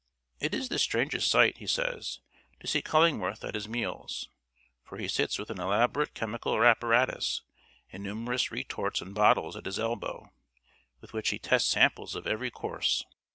It is the strangest sight, he says, to see Cullingworth at his meals; for he sits with an elaborate chemical apparatus and numerous retorts and bottles at his elbow, with which he tests samples of every course.